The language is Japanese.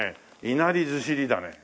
いなりずしりだね。